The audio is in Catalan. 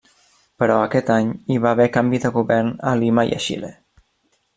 Però aquest any hi va haver canvi de govern a Lima i a Xile.